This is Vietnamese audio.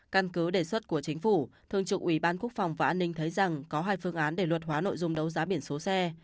căn cứ đề xuất của chính phủ thương trực ủy ban quốc phòng và an ninh thấy rằng có hai phương án để luật hóa nội dung đấu giá biển số xe